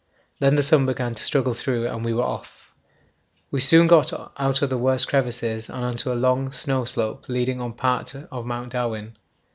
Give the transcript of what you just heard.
Then the sun began to struggle through and we were off. We soon got out of the worst crevasses and on to a long snow slope leading on part of Mount Darwin.